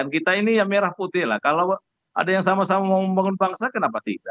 kita ini ya merah putih lah kalau ada yang sama sama mau membangun bangsa kenapa tidak